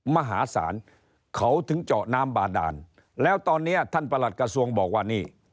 มหาศาลเขาถึงเจาะน้ำบาดานแล้วตอนนี้ท่านประหลัดกระทรวงบอกว่านี่